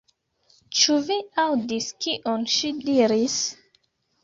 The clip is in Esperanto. Ĉu vi aŭdis kion ŝi diris?